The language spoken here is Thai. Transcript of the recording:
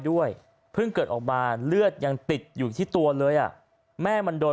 ด้วยเพิ่งเกิดออกมาเลือดยังติดอยู่ที่ตัวเลยอ่ะแม่มันโดน